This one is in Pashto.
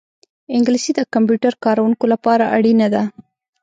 انګلیسي د کمپیوټر کاروونکو لپاره اړینه ده